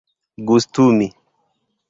gustumi